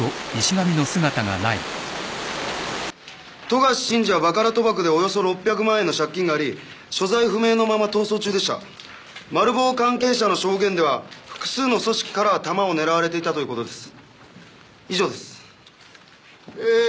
富樫慎二はバカラ賭博でおよそ６００万円の借金があり所在不明のまま逃走中でしたマル暴関係者の証言では複数の組織からタマを狙われていたということです以上ですえー